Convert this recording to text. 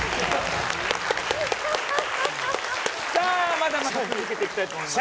まだまだ続けていきたいと思います。